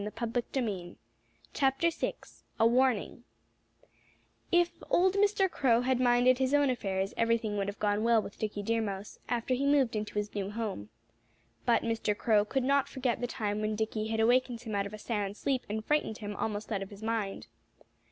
VI A WARNING If old Mr. Crow had minded his own affairs everything would have gone well with Dickie Deer Mouse, after he moved into his new home. But Mr. Crow could not forget the time when Dickie had awakened him out of a sound sleep and frightened him almost out of his mind.